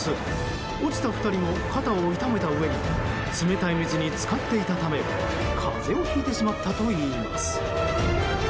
落ちた２人も肩を痛めたうえに冷たい水に浸かっていたため風邪をひいてしまったといいます。